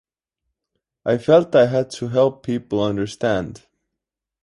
I felt I had to help people understand.